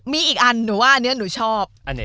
มีอีกอันหนูว่าอันนี้หนูชอบ